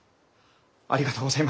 ありがとうございます。